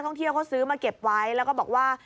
เที่ยวเขาซื้อมาเก็บไว้แล้วก็บอกว่า